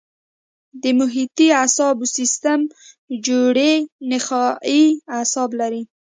د محیطي اعصابو سیستم جوړې نخاعي اعصاب لري.